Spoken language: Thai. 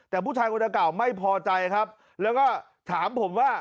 แต่ผู้ชายคนเก่าไม่พอใจครับแล้วก็ถามผมว่า